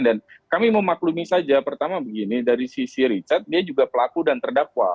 dan kami memaklumi saja pertama begini dari sisi richard dia juga pelaku dan terdakwa